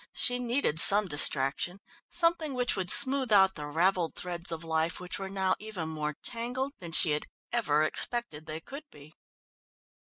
She needed some distraction, something which would smooth out the ravelled threads of life which were now even more tangled than she had ever expected they could be.